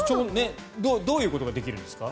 どういうことができるんですか？